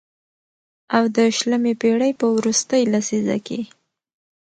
او د شلمې پېړۍ په وروستۍ لسيزه کې